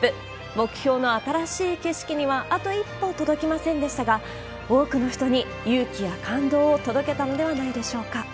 目標の新しい景色には、あと一歩届きませんでしたが、多くの人に勇気や感動を届けたのではないでしょうか。